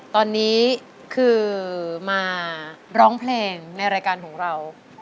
ตอนนี้คือมาร้องเพลงในรายการของเรา